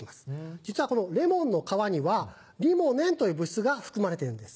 実はこのレモンの皮にはリモネンという物質が含まれてるんです。